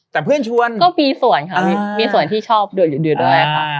แต่เพื่อนชวนก็มีส่วนค่ะอ่ามีส่วนที่ชอบด้วยด้วยด้วยค่ะอ่า